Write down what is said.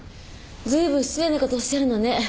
ずいぶん失礼なことおっしゃるのね。